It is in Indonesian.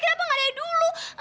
kenapa gak dari dulu